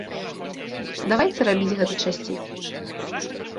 Давайце рабіць гэта часцей.